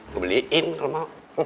gue beliin kalau mau